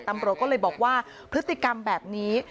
ตำรวจก็เลยบอกว่าพฤติกรรมแบบนี้